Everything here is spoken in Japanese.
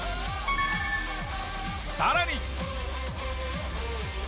さらに。